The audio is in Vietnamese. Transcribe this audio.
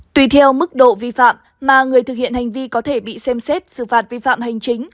tùy theo mức độ vi phạm mà người thực hiện hành vi có thể bị xem xét xử phạt vi phạm hành chính